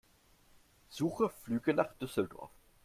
Suche Flüge nach Düsseldorf.